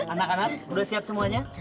anak anak udah siap semuanya